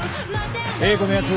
英子のやつ